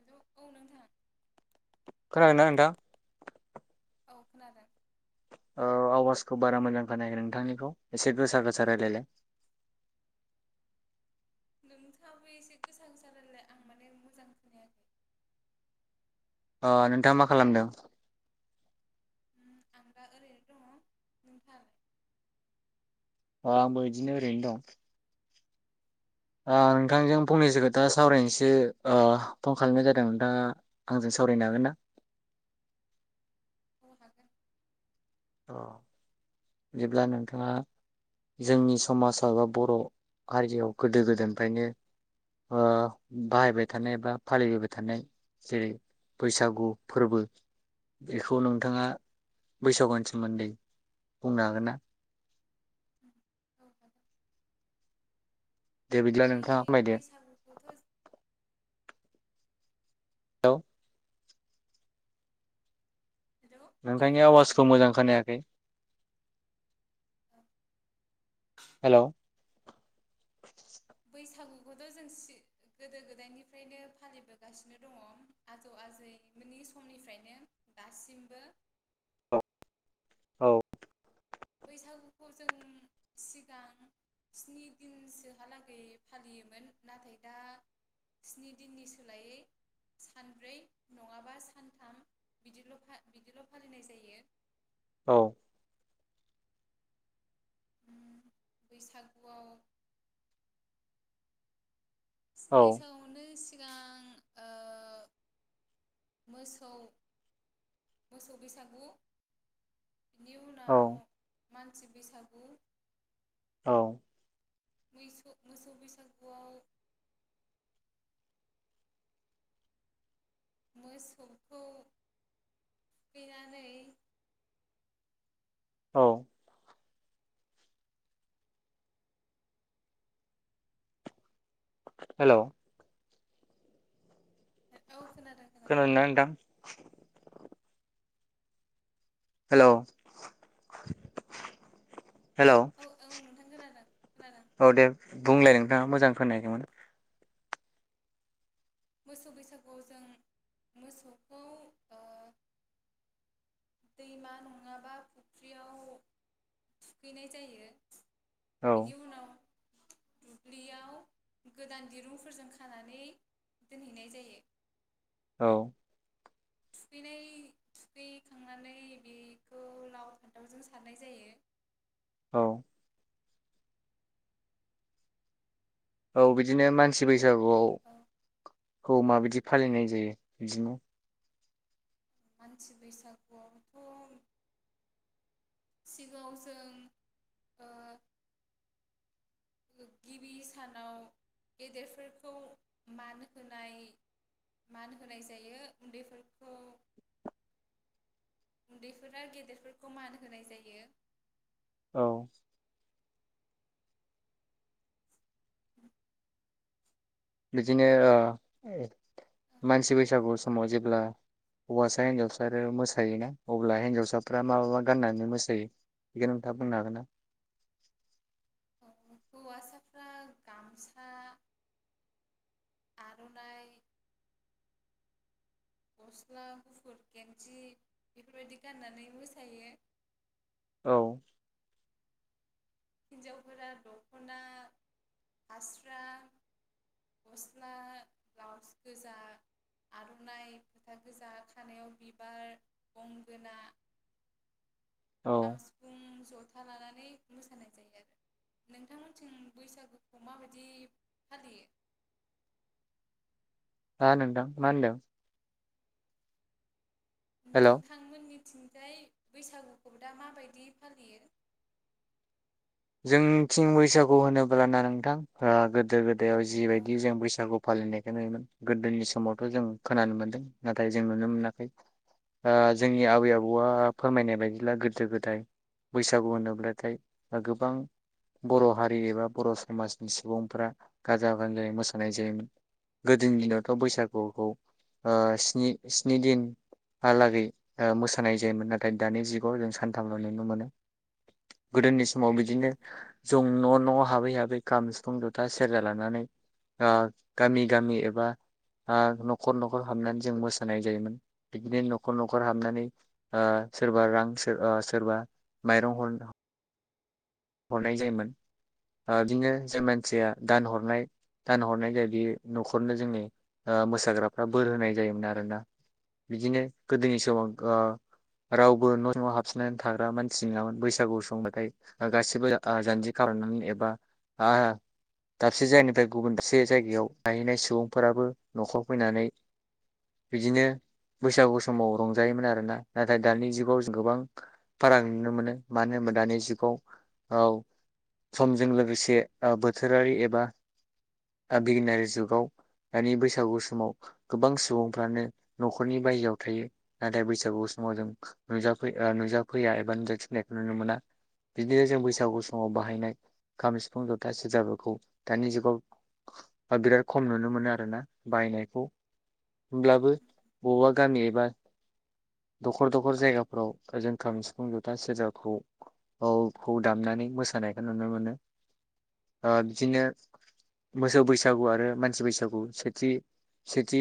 हेल औ नोंथां। खोनादों ना नोंथां? औ खोनादों? ओ आवाजखौ बारा मोजां खोनोयाखै नोंथांनिखौ एसे गोसा गोसा रायलायलाय। नोंथाङाबो एसे गोसा गोसा रायलायलाय आं माने मोजां खोनायाखै। अ नोंथां मा खालामदों? ओम आं दा ओरैनो दङ नोंथा। अ आंबो इदिनो ओरैनो दं। ओ नोंथांजों फंनैसो खोथा सावरायनोसो ओ फन खालामनाय जादों नोंथाङा आंजों सावरायनो हागोन ना? औ हागोन अ बिदिब्ला नोंथाङा जोंनि समाजाव एबा बर' हारियाव गोदो गोदायनिफ्रायनो ओ बाहायबाय थानाय एबा फालिबोबाय थानाय जेरै बैसागु फोरबो बेखौ नोंथाङा बैसागु स मोन्दै बुंनो हागोन ना? औ हागोन। दे बिदिब्ला बै नोंथाङा फोरमायदो। बैसागुखौथ' हेलौ हेलौ औ नोंथांनि खोनादों आवाजखौ मोजां खोनादों खोनायाखै। औ हेलौ बैसागुखौथ' जों सि- गोदो गोदायनिफ्रायनो फालिबोगासिनो दङ आजौ आजैमोननि समनिफ्रायनो दासिमबो। औ औ बैसागुखौ जों सिगां स्नि दिनसोहालागै फालियोमोन नाथाय दा स्नि दिननि सोलायै सानब्रै नङाबा सानथाम बिदिल' फा- बिदिल' फालिनाय जायो। औ ओम बैसागुआव औ बैसागआवनो सिगां ओ मोसौ मोसौ बैसागु बिनि उनाव मानसि बैसाग औ [unintelligible] मोसौ बैसागुआव मोसौखौ, थुखैनानै औ हेल औ खोनादों। खोनादों ना नोथां? हेलौ हेलौ औ औ खोनादों नोंथां खोना औ दे बुंलाय नोंथाङा मोजां खोनायाखैमोन। मोसौ बैसागुआव जों मोसौखौ ओ दैमा नङाबा फुख्रियाव थुखैनाय जायो। औ बिनि उनाव दुब्लियाव गोदान दिरुंफोरजों खानानै दोनहैनाय जायो। औ थुखैनाय थुखैखांनानै बेखौ लाव फान्थावजों सारनाय जायो। औ औ बिदिनो मानसि बै बैसागोआव औ खौ माबायदि फालिनाय जायो बिदिनो मानसि बैसागुआवथ सिगाङाव जों ओ गिबि सानाव गेदेरफोरखौ मान होनाय मान होनाय जायो उन्दैफोरखौ उन्दैफोरा गेदेरफोरखौ मान होनाय जायो औ [inaudible] बिदिनोज ओ औ मानसि बैसागु समाव जेब्ला हौवासा हिनजावसा आरो मोसायोना अब्ला हिनजावसाफ्रा मा मा गाननानै मोसायो बेखौ नोंथाङा बुंनो हागोन ना औ हौवासाफ्रा गामसा आरनाइ गस्ला गुफुर गेंदि बेफोरबायदि गाननानै मोसायो औ हिन्जावफोरा दखना हास्रा गस्ला ब्लाउस गोजा आरनाइ फोथा गोजा खानायाव बिबार गंगोना औ खाम सिफुं ज जथा लानानै मोसानाय जायो आरो नोंथांमोनथिं बैसागुखौ माबायदि फालियो हा नोंथां मा होनदों हेलौ नोंथांमोननि बेथिंजाय बैसागुखौ दा माबायदि फालियो जोंनिथिं बैसागु होनोब्ल ना नोंथां ओ गोदो गोद याव औ जिबायदि जों बैसागु फालिनायखौ नुयोमोन गोदोनि समावथ जों खोनानो मोन्दों नाथाय जों नुनो मोनाखै जोंनि आबै आबौआ फोरमायनाय बायदिब्ला गोदो गोदाय बैसागु होनोब्लाथाय गोबां बर' हारि एबा बर' समाजनि सुबुंफ्रा गाजा गोमजायै मोसानाय जायोमोन गोदोनि दिनावथ बैसागुखौ स्नि दिनहालागै मोसानाय जायोमोन नाथाय दानि जुगाव जों सानथामल नुनो मोनो गोदोनि स समाव बिदिनो जों न' न' हाबै हाबै खाम सिफुं जथा सेरजा लानानै ओ गामि गामि एबा ओ न'खर न'खर हाबनानै जों मोसानाय जायोमोन बिदिनो न'खर न'खर हाबनानै ओ सोरबा रां सोरबा माइरं हरनो हरनाय जायोमोन ओ बिदिनो जे मानसिया दान हरनाय दान हरनाय जाय बि न'खरनो जोंनि मोसाग्राफ्रा बोर होनाय जायोमोन आरोना बिदिनो गोदोनि समाव ओ रावबो न' सिङाव हाबसननानै थाग्रा मानसि नङामोन बैसागु समंबाथाय गासिबो जानजि खालामनानै एबा आ दाबसे जायगानिफ्राय गुबुन दाबसे जायगायाव थाहैनाय सुबुंफोराबो न'खराव फैनानै बिदिनो बैसागु समाव रंजायोमोन आरोना नाथाय दानि जुगाव जों गोबां फाराग नुनो मोनो मानो होनबा दानि जुगाव औ समजों लोगोसे ओ बोथोरारि एबा ओ बिगियानारि जुगाव दानि बैसागु समाव गोबां सुबुंफ्रानो नखरनि बायजोआव थायो नाथाय बैसागु समाव जों नुजाफै ओनुजाफैया एबा नुजाथिफैनायखौ नुनो मोना बिदिनो जों बैसागु समाव बाहायनाय खाम, सिफुं, जथा, सेरजाफोरखौ दानि जुगाव बिराद खम नुनो मोनो आरोना बाहायनायखौ हब्लाबो बबावबा गामि एबा दखर दखर जायगाफ्राव जों खाम, सिफुं, जथा, सेरजाखौ खौ दामनानै मोसानायखौ नुनो मोनो औ बिदिनो मोसौ बैसागु आरो मानसि बैसागु सेथि सेथि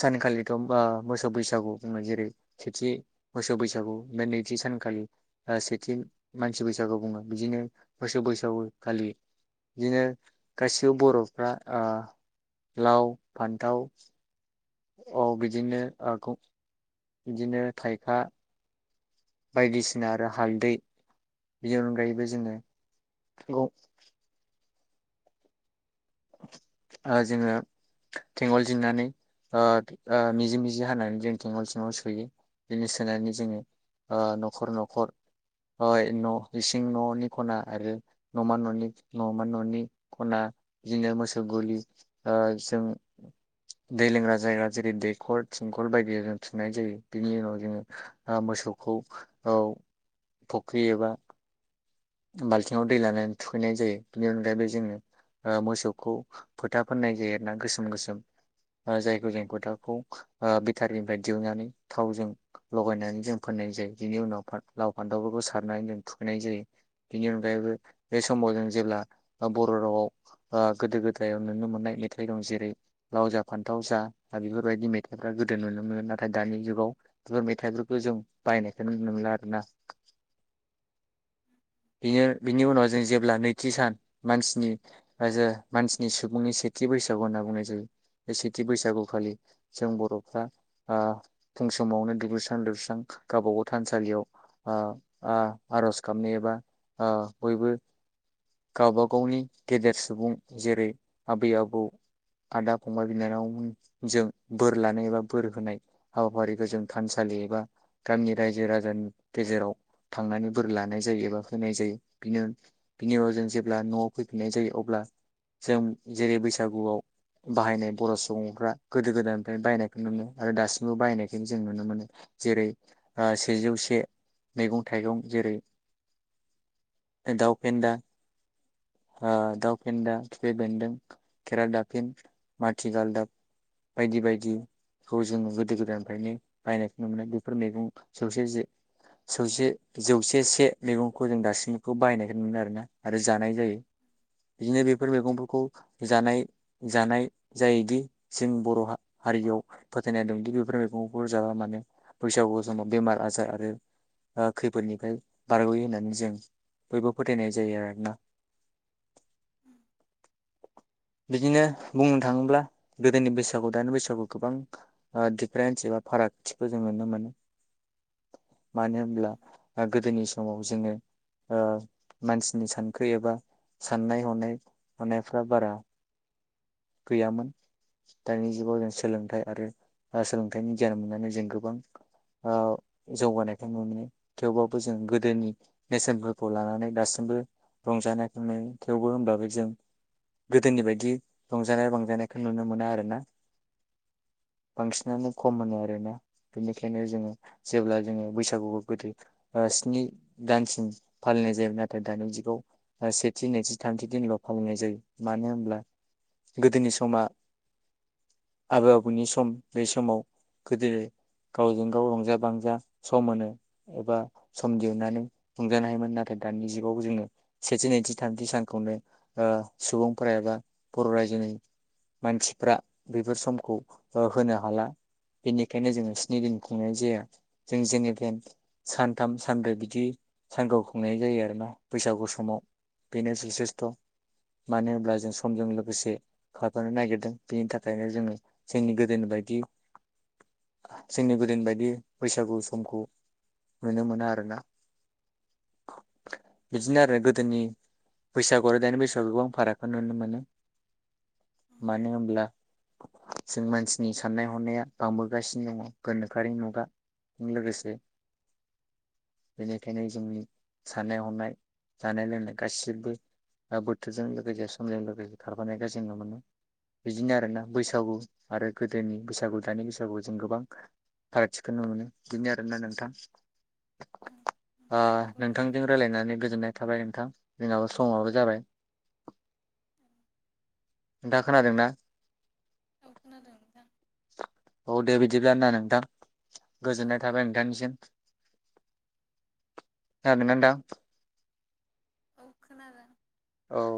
सानखालिथ मोसौ बैसागु बुङो जेरै सेथि मोसौ बैसागु बे नैथि सानखालि सेथि मानसि बैसागु बुङो बिदिनो बोसोर बैसागु खालि बिदिनो गासिबो बर'फ्रा ओ लाव फान्थाव औ बिदिनो आग बिदिनो थायखा बायदिसिना आरो हालदै बिनि अनगायैबो जोङो गं ओ जोङो थेंगल जिन्नानै ओ ओ मिजि मिजि हानानै जों थंगल सिङाव सोयो बिनि सोनानै जोङो ओ न'खर न'खर न' इसिं न'नि खना आरो नमा न'नि नमा न'नि खना बिदिनो मोसौ गलि ओ जों दै लोंग्रा जायगा जेरै दैखर थिंखल बायदि जों थुननाय जायो बिनि उनाव ओ जोङो मोसौखौ फुख्रि एबा बाल्थिङाव दै लानानै थुखैनाय जायो बेनि अनगायैबो जोङो ओ मोसौखौ फोथा फोननाय जायो आरोना गोसोम गोसोम जायखौ जों फोथाखौ बेटारिनिफ्राय दिहुननानै थावजों लगायनानै जों फोननाय जायो बिनि उनाव लाव फान्थावफोरखौ सारनानै जों थुखैनाय जायो बिनि अनगायैबो बे समाव जों जेब्ला बर रावाव ओ गोदो गोदायाव नुनो मोननाय मेथाइ दं जेरै लाव जा फान्थाव जा बेफोरबायदि मेथाइफ्रा गोदो नुनो मोनो नाथाय दानि जुगाव बेफोर मेथाइफोरखौ जों बायनायखौनो नुनो मोनला आरोना बिनो बिनि उनाव जों जेब्ला नैथि सान मानसिनि मानसिनि सुबुंनि सेथि बैसागु होनना बुंनाय जायो बे सेथि बैसागुखालि जों बर'फ्रा आ फुं समावनो दुगैस्रां लोबस्रां गावबा गाव थानसालियाव आ-आ-आरज गाबनो एबा ओ बयबो गावबाागावनि गेदेर सुबुं जेरै आबै आबौ आदा फंबाय बिनानावमोनजों बोर लानाय एबा बोर होनाय हाबाफारिखौ जों थानसालि एबा गामिनि रायजो राजानि गेजेराव थांनानै बोर लानाय जायो एबा होनाय जायो बिनि उनाव जों जेब्ला न'आव फैफिननाय जायो अब्ला जों जेरै बैसागुआव बाहायनाय बर' सुबुंफ्रा गोदो गोदायनिफ्रायनो बायनायखौ नु मोनो आरो दासिमबो बाहायनायखायनो जों नुनो मोनो जेरै सेजौ से मैगं थाइगं जेरै दाउफेनदा ओ दाउ फेन्दा, खिफि बेन्दों, खेराइ दाफेन, माथिगालदाब बायदि बायदिखौ जों गोदो गोदायनिफ्रायनो बायनायखौ ननो मोनो बेफोर मैगं जौसे जे जौसे जौसे से मैगंखौ जों दासिमखौ बायनायखौ न मोनो आरोना आरो जानाय जायो बिदिनो बेफोर मैगंफोरखौ जानाय जानाय जायोदि जों बर' हारियाव फोथायनाय दंदि बेफोर मैगंफोर जाबा मानोे बैसागु समाव बेमार आजार आरो खैफोदनिफ्राय बारगयो होननानै जों बयबो फोथायनाय जायो आरोना बिदिनो बुंनो थाङोब्ला गोदोनि बैसागु दानि बैसागुआव गोबां दिडिफारेन्स एबा फारागथिखौ जों नुनो मोनो मानो होनब्ला गोदोनि समाव जोङो ओ मानसिनि सानखो एबा साननाय हनाय हनायफ्रा बारा गैयामोन दानि जुगाव जों सोलोंथाइ आरो सोलोंथाइनि गियान मोननानै जों गोबां ओ जौगानायखौ नु मोनो थेवबाबो जों गोदोनि नेसनफोरखौ लानानै दासिमबो रंजानाय थेवबो होनबाबो जों गोदोनि बायदि रंजानाय बांजानायखौ नुनो मोना आरोना बांसिनानो खम होनो आरोना बेनिखायनो जोङो जेब्ला जोङो बैसागुखौ गोदो ओ स्नि दानसिम फालिनाय जायो नाथाय दानि जुगाव सेथि नैथि थामथि दिनल फालिनाय जायो मानो होनब्ला गोदोनि समा आबै आबौनि सम बे समाव गोदो गावजों गाव रंजा बांजा सम होनो एबा सम दिहुननानै रंजानो हायोमोन नाथाय दानि जुगाव जोङो सेथि नैथि थामथि सानखौनो ओ सुबुंफोरा एबा बर रायजोनि मानसिफ्रा बेफोर समखौ होनो हाला बेनिखायनो जोङो स्नि दिन खुंनाय जाया जों जेनेथेन सानथाम सानब्रै बिदि सानखौ खुंनाय जायो आरोना बैसागु सम समाव बेनो जथेस्थ मानो होनब्ला जों समजों लोगोसे खारफानो नागिरदों बेनि थाखायनो जोङो जोंनि गोदो बायदि जोंनि गोदो बायदि बैसागु समखौ नुनो मोना आरोना बिदिनो आरो गो जोंनि बैसागु आरो दानि बैसागुआव गोबां फारागखौ नुनो मोनो मानो होनब्ला जों मानसिनि साननाय हनाया बांबोगासिनो दङ गोनोखोआरि मुगाजों लोगोसे बेनिखायनो जोंनि साननाय हनाय जानाय लोंनाय गासिबो बोथोरजों लोगोसे समजों लोगोसे खारफानायखौ जों नु मोनो बिदिनो आरोना बैसागु आरो गोदोनि बैसागु दानि बैसागुखौ जों गोबां फारागथिखौ नु मोनो बिदिनो आरोना नोंथां आ नंगौ नोंथांजों नोंथां रायजलायनानै गोजोननाय दे नोंथां जोंङाबो समाबो जाबाय नोंथाङा खोनादोंना? औ खोनादों नोंथां औ दे बि बिदिब्लााना नोंथां गोजोननाय थाबाय नोंथांनिसिम खोनादोना नोथां औ खोनादों औ